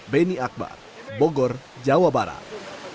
beni akbar bogor jawa barat